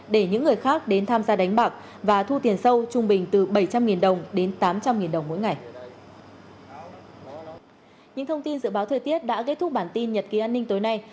để những người khác đến tham gia đánh bạc và thu tiền sâu trung bình từ bảy trăm linh đồng đến tám trăm linh đồng mỗi ngày